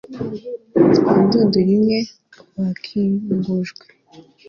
ku ndunduro, umwe wakingujwe